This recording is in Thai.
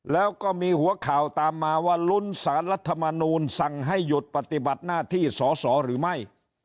แล้วก็มีหัวข่าวตามมาว่าลุ้นสารรัฐมนูลสั่งให้หยุดปฏิบัติหน้าที่สอสอหรือไม่